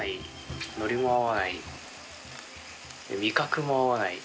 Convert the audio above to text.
味覚も合わない。